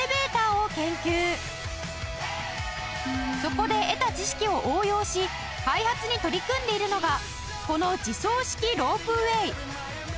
そこで得た知識を応用し開発に取り組んでいるのがこの自走式ロープウェイ